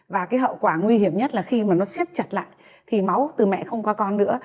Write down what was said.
và cái hậu quả nguy hiểm nhất là khi mà nó xét chặt lại thì máu từ mẹ không có con nữa